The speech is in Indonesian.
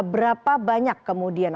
berapa banyak kemudian